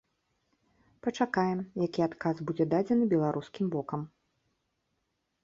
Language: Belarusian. Пачакаем, які адказ будзе дадзены беларускім бокам.